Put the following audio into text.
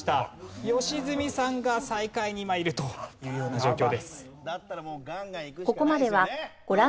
良純さんが最下位に今いるというような状況です。